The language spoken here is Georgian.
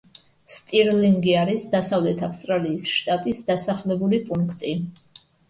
სტირლინგი არის დასავლეთ ავსტრალიის შტატის დასახლებული პუნქტი.